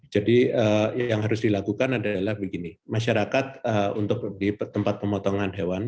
jadi yang harus dilakukan adalah begini masyarakat untuk di tempat pemotongan hewan